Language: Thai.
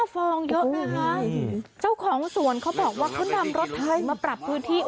ฟองเยอะนะคะเจ้าของสวนเขาบอกว่าเขานำรถไทยมาปรับพื้นที่